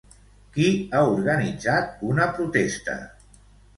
Qui ha organitzat una protesta?